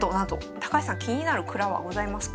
高橋さん気になる蔵はございますか？